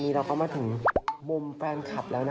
มีกับความรู้สึกแม่วัน